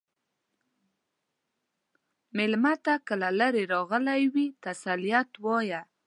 مېلمه ته که له لرې راغلی وي، تسلیت وایه.